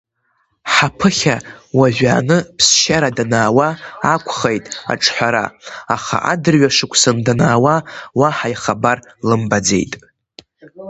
Ҳаԥыхьа уажәааны ԥсшьара данаауа, акәхеит аҿҳәара, аха адырҩашықәсан данаа, уаҳа ихабар лымбаӡеит.